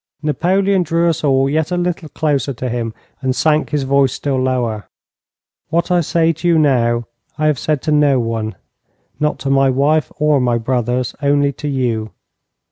Napoleon drew us all yet a little closer to him, and sank his voice still lower. 'What I say to you now I have said to no one not to my wife or my brothers; only to you.